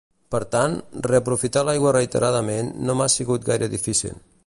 Per tant, reaprofitar l'aigua reiteradament no m'ha sigut gaire difícil.